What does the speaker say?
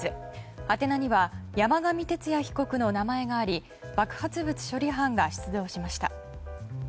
宛名には山上徹也被告の名前があり爆発物処理班が出動しました。